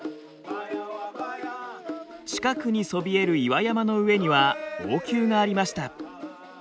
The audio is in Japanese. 近くにそびえる岩山の上には王宮がありました。